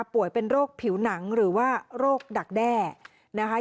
ป่วยเป็นโรคผิวหนังหรือว่าโรคดักแด้นะคะ